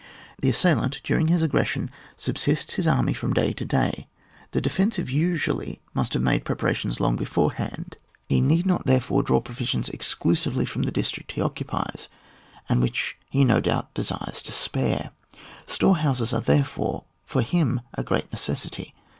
The assailant during his aggression sub sists his army from day to day ; the de fensive usually must have made prepara tions long beforehand, he need not there fore draw provisions exclusively from the district he occupies, and which he no doubt desires to spare. Storehouses are therefore for him a great necessity.